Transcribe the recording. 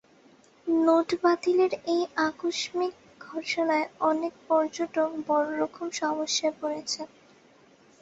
Note বাতিলের এই আকস্মিক ঘোষণায় অনেক পর্যটক বড় রকম সমস্যায় পড়েছেন।